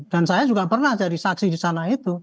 dan saya juga pernah jadi saksi di sana itu